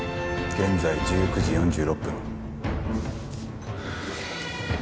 現在１９時４６分。